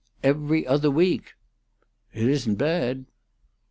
"Every Other Week." "It isn't bad."